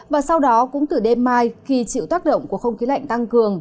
và sau đó cũng từ đêm mai khi chịu tác động của không khí lạnh tăng cường